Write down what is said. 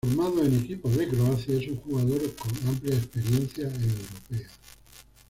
Formado en equipos de Croacia, es un jugador con amplia experiencia europea.